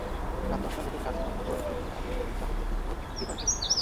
রাত দশটার ভেতর চারশো নয় নম্বর কেবিনে আগের রোগীর যাবতীয় তথ্য জোগাড় করল।